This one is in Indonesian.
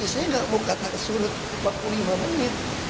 saya nggak mau kata surut empat puluh lima menit